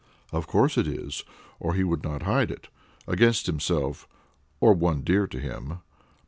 "Of course it is, or he would not hide it; against himself, or one dear to him."